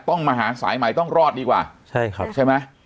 ต้องมาหาสายใหม่ต้องรอดดีกว่าใช่ครับใช่ไหม